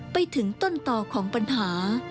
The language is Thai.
ไปถึงต้นต่อของปัญหา